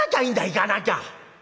行かなきゃ！